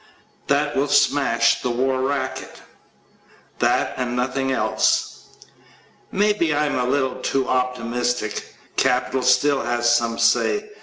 That will smash the war racket that and nothing else. Maybe I am a little too optimistic. Capital still has some say.